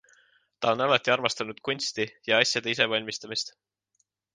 Ta on alati armastanud kunsti ja asjade ise valmistamist.